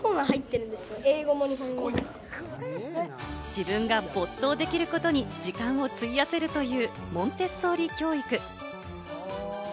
自分が没頭できることに時間を費やせるというモンテッソーリ教育。